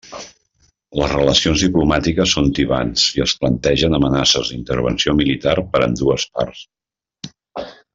Les relacions diplomàtiques són tibants i es plantegen amenaces d'intervenció militar per ambdues parts.